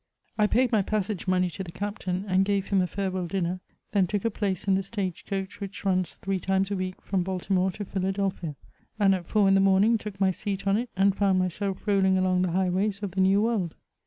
I paid my passage money to the captain, and gave him a feure well dinner ; then took a place in the stage coach which runs three times a week (rom Baltimore to Philadelphia, and at four in the morning took my seat on it, and found myself roUing along the highways of the New World.